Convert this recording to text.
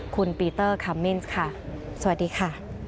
คุณปีเตอร์คัมมินส์ค่ะสวัสดีค่ะ